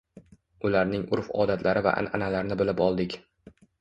Ularning urf-odatlari va anʼanalarini bilib oldik.